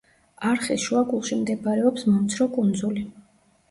არხის შუაგულში მდებარეობს მომცრო კუნძული.